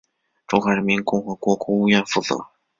中华人民共和国国务院负责。